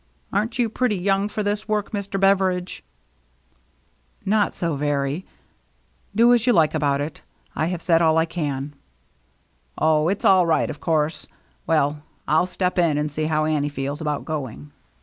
Aren't you pretty young for this work, Mr. Beveridge?" " Not so very. Do as you like about it. I have said all I can." "Oh, it's all right, of course; well, I'll step in and see how Annie feels about going."